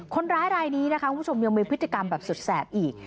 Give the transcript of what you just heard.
คนร้ายรายนี้นะคะคุณผู้ชมยังมีพฤติกรรมแบบสุดแสบอีก